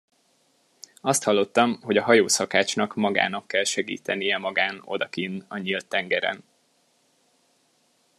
Azt hallottam, hogy a hajószakácsnak magának kell segítenie magán odakinn a nyílt tengeren.